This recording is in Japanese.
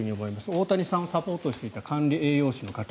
大谷さんをサポートしていた管理栄養士の方